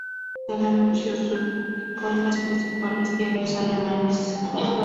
El anuncio se publicó en los principales diarios alemanes.